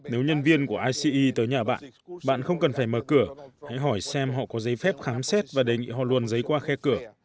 nếu nhân viên của ice tới nhà bạn bạn không cần phải mở cửa hãy hỏi xem họ có giấy phép khám xét và đề nghị họ luôn giấy qua khe cửa